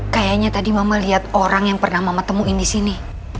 kayanya tadi mama liat orang yang pernah mama temuin disini